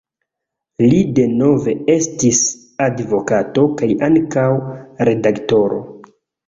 Li denove estis advokato kaj ankaŭ redaktoro.